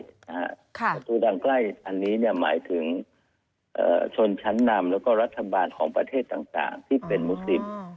ประตูดังใกล้อันนี้หมายถึงชนชั้นนำแล้วก็รัฐบาลของประเทศต่างที่เป็นมุสิน